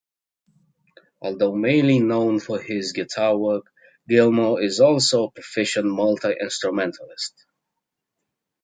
Although mainly known for his guitar work, Gilmour is also a proficient multi-instrumentalist.